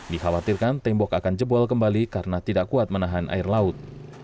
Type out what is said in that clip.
dikhawatirkan tembok akan jebol kembali karena tidak kuat menahan air laut